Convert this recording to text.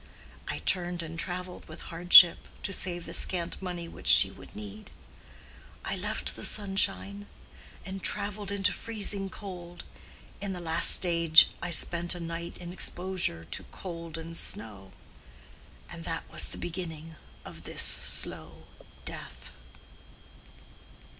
I turned and traveled with hardship—to save the scant money which she would need. I left the sunshine, and traveled into freezing cold. In the last stage I spent a night in exposure to cold and snow. And that was the beginning of this slow death."